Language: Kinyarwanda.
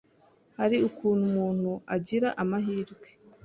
hari ukuntu umuntu agira amahirwe